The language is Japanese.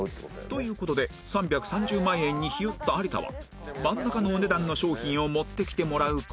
という事で３３０万円にひよった有田は真ん中のお値段の商品を持ってきてもらう事に